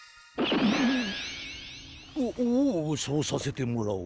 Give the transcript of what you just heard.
おっおうそうさせてもらおう。